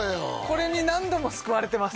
これに何度も救われてます